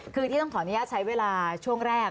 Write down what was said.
คือที่ต้องขออนุญาตใช้เวลาช่วงแรก